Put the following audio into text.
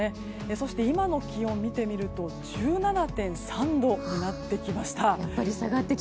そして今の気温を見てみると１７．３度になってきました。